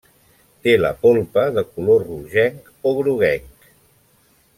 Té la polpa de color rogenc o groguenc.